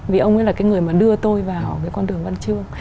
vì ông ấy là cái người mà đưa tôi vào cái con đường văn chương